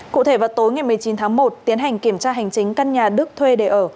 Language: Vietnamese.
cụ thể vào tối ngày một mươi chín tháng một tiến hành kiểm tra hành chính căn nhà đức thuê để ở